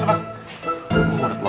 aduh faustus lagi alzat